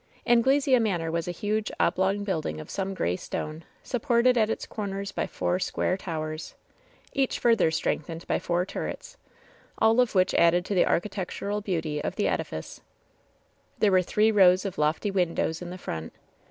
Anglesea Manor was a huge oblong building of some gray stone, supported at its comers by four square tow ers, each further strengthened by four turrets, all of which added to the architectural beauty of the edifice. LOVE'S BITTEREST CUP 229 There were three rows of lofty windows In the front.